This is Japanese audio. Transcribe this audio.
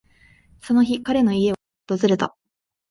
その日、彼の家を訪れた。